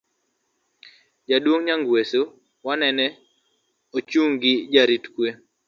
jaduong' Nyangweso manene ochung' gi jorit kwe